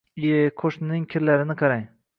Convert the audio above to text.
Ie, qoʻshnining kirlarini qarang